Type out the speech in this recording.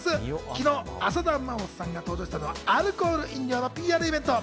昨日、浅田真央さんが登場したのはアルコール飲料のＰＲイベント。